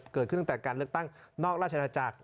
เกิดขึ้นตั้งแต่การเลือกตั้งนอกราชาชาจักร